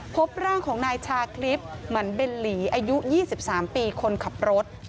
พบร่างของนายชาคลิปเหมือนเบนหลีอายุ๒๓ปีคนขับรถ